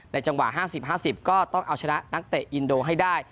จังหวะ๕๐๕๐ก็ต้องเอาชนะนักเตะอินโดให้ได้